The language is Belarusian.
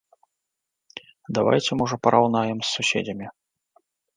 Давайце можа параўнаем з суседзямі.